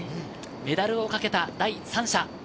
メダルをかけた第３射。